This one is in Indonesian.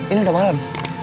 ini udah malem